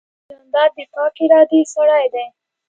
جانداد د پاکې ارادې سړی دی.